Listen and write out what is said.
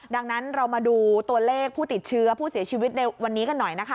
ดังนั้นเรามาดูตัวเลขผู้ติดเชื้อผู้เสียชีวิตในวันนี้กันหน่อยนะคะ